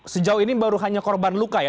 sejauh ini baru hanya korban luka ya